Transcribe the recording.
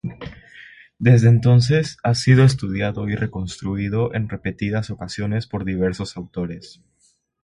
Desde entonces, ha sido estudiado y reconstruido en repetidas ocasiones por diversos autores.